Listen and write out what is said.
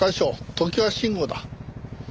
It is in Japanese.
常盤臣吾だ。